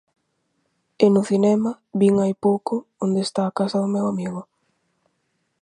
E no cinema vin hai pouco Onde está a casa do meu amigo?